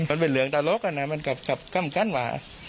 มันเป็นเหลืองตาลกนะมันกลับกล้ามกั้นว่า